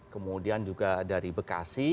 kemudian juga dari bekasi